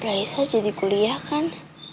raisa jadi kuliah kan